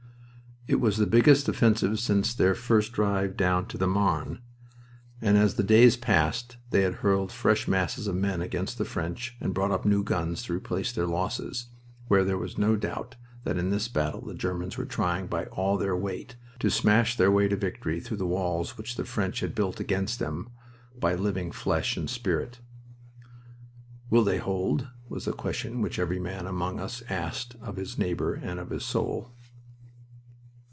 It was the biggest offensive since their first drive down to the Marne; and as the days passed and they hurled fresh masses of men against the French and brought up new guns to replace their losses, there was no doubt that in this battle the Germans were trying by all their weight to smash their way to victory through the walls which the French had built against them by living flesh and spirit. "Will they hold?" was the question which every man among us asked of his neighbor and of his soul.